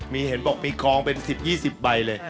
มีเห็นบอกมีกองเป็น๑๐๒๐ใบเลย